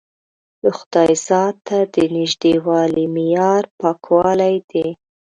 د خدای ذات ته د نژدېوالي معیار پاکوالی دی.